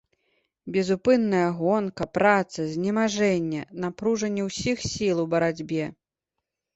Безупынная гонка, праца, знемажэнне, напружанне ўсіх сіл у барацьбе.